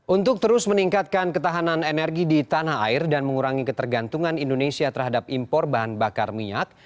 untuk terus meningkatkan ketahanan energi di tanah air dan mengurangi ketergantungan indonesia terhadap impor bahan bakar minyak